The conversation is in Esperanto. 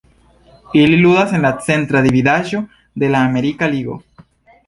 Ili ludas en la Centra Dividaĵo de la Amerika Ligo.